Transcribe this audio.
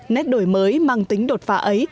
nét đổi mới mang tính đột phá ấy